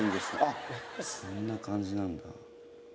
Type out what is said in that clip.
あっそんな感じなんだ。